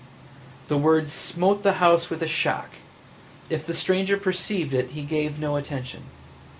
The words smote the house with a shock; if the stranger perceived it he gave no attention.